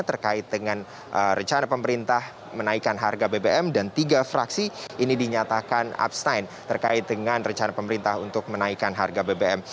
terkait dengan rencana pemerintah menaikkan harga bbm dan tiga fraksi ini dinyatakan abstain terkait dengan rencana pemerintah untuk menaikkan harga bbm